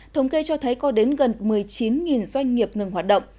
thống kê cho thấy có đến gần một mươi chín doanh nghiệp ngừng hoạt động